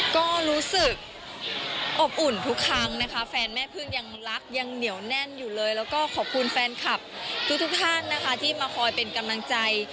ก็รู้สึกอบอุ่นทุกครั้งนะคะแฟนแม่พึ่งยังรักยังเหนียวแน่นอยู่เลยแล้วก็ขอบคุณแฟนคลับทุกท่านนะคะที่มาคอยเป็นกำลังใจ